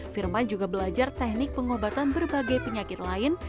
firman juga belajar teknik pengobatan berbagai penyakit lain